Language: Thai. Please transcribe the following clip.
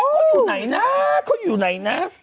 เขาอยู่ไหนนะ